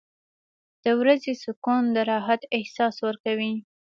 • د ورځې سکون د راحت احساس ورکوي.